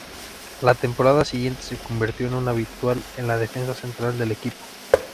La temporada siguiente se convirtió en un habitual en la defensa central del equipo.